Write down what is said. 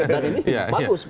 dan ini bagus